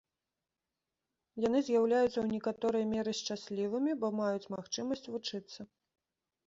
Яны з'яўляюцца ў некаторай меры шчаслівымі, бо маюць магчымасць вучыцца.